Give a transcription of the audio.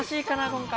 今回。